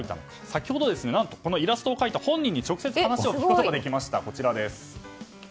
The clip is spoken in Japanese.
先ほどイラストを描いた本人に直接話を聞くことができました。